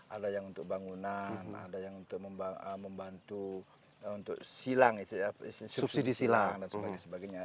ada yang untuk bangunan ada yang untuk membantu untuk silang subsidi silang dan sebagainya